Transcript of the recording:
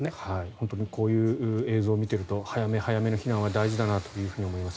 本当にこういう映像を見ていると早め早めの避難は大事だなと思います。